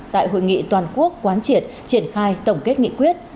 tại hội nghị toàn quốc quán triệt triển khai tổng kết nghị quyết